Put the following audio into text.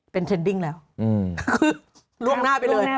เป็นเทรนดิ้งแล้วคือล่วงหน้าไปเลย